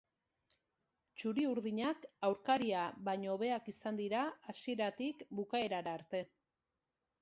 Txuriurdinak aurkaria baino hobeak izan dira hasieratik bukaerara arte.